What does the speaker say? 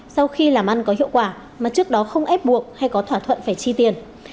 sau khi làm ăn có hiệu quả mà trước đó không ép buộc hay có thỏa thuận phải chi tiền